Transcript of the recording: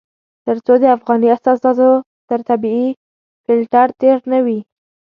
تر څو د افغاني اساساتو تر طبيعي فلټر تېر نه وي.